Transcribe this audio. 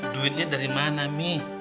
duitnya dari mana mi